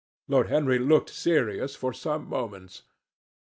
Lord Henry looked serious for some moments.